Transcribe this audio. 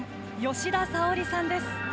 吉田沙保里さんです。